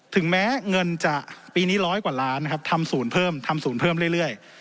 ถึงแม้เงินจะปีนี้ร้อยกว่าล้านนะครับทำศูนย์เพิ่มทำศูนย์เพิ่มเรื่อย